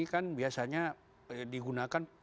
kan biasanya digunakan